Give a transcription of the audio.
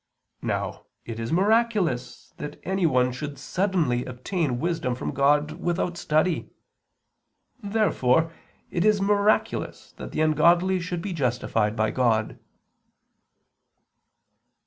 Now it is miraculous that anyone should suddenly obtain wisdom from God without study. Therefore it is miraculous that the ungodly should be justified by God.